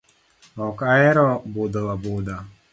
Ok ahero budho abudha.